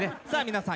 皆さん